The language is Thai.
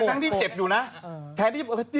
มายังต้องโปรตติดตัว